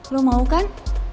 lo mau kan